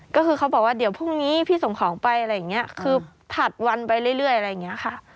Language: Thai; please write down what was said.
ก็คือเขาบอกว่าเดี๋ยวพรุ่งนี้พี่ส่งของไปอะไรอย่างนี้คือถัดวันไปเรื่อยอะไรอย่างนี้ค่ะ